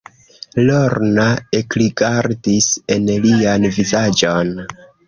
Lorna ekrigardis en lian vizaĝon.